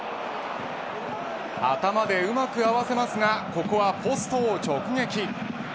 頭でうまく合わせますがここはポストを直撃。